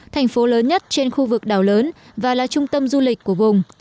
thành phố lớn nhất trên khu vực đảo lớn và là trung tâm du lịch của vùng